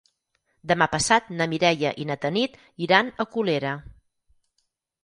Demà passat na Mireia i na Tanit iran a Colera.